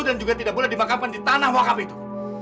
dan juga tidak boleh dimakamkan di tanah wakaf itu